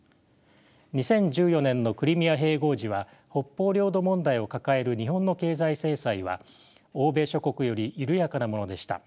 ２０１４年のクリミア併合時は北方領土問題を抱える日本の経済制裁は欧米諸国より緩やかなものでした。